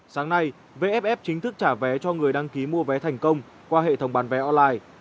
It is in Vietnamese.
sáng nay vff chính thức trả vé cho người đăng ký mua vé thành công qua hệ thống bán vé online